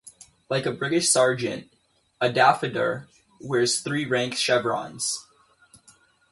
Like a British sergeant, a daffadar wears three rank chevrons.